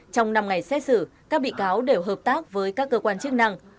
trong năm ngày xét xử các bị cáo đều hợp tác với các cơ quan chức năng